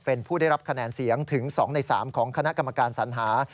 เป็นผู้ได้รับคะแนนเสียงถึง๒ใน๓ของคณะกรรมการสัญหา